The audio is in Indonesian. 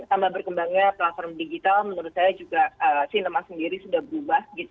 tambah berkembangnya platform digital menurut saya juga sinema sendiri sudah berubah